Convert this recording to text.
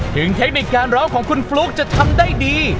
เทคนิคการร้องของคุณฟลุ๊กจะทำได้ดี